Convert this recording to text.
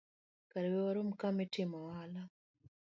kara we warom kama itimoe ohala.